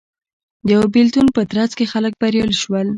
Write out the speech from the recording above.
د یوه بېلتون په ترڅ کې خلک بریالي شول